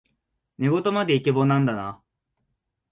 寝言までイケボなんだな